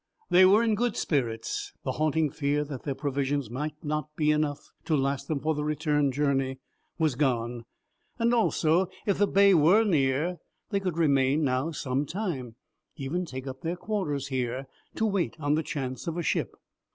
They were in good spirits; the haunting fear that their provisions might not be enough to last them for the return journey was gone; also, if the bay were near, they could remain now some time, even take up their quarters here to wait on the chance of a ship.